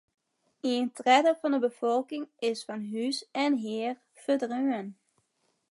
Ien tredde fan de befolking is fan hûs en hear ferdreaun.